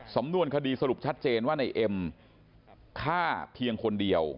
สำนวนคดีสรุปชัดเจนว่าในเอ็มฆ่าเพียงคนเดียว